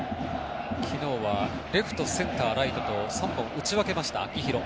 昨日はレフト、センター、ライトと３本打ち分けた秋広。